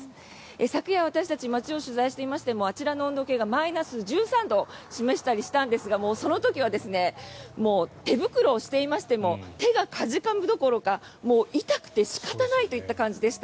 昨夜、私たち街を取材していましてもあちらの温度計がマイナス１３度を示したりしたんですがもうその時は手袋をしていましても手がかじかむどころかもう痛くて仕方ないといった感じでした。